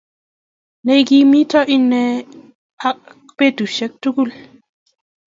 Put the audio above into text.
Ne igimita inne ak betushek tugul